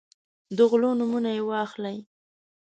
د غلو نومونه یې واخلئ.